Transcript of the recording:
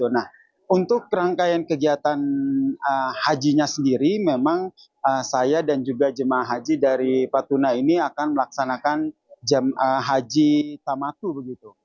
nah untuk rangkaian kegiatan hajinya sendiri memang saya dan juga jemaah haji dari patuna ini akan melaksanakan haji tamatu begitu